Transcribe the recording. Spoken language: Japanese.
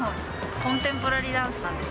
コンテンポラリーダンスなんです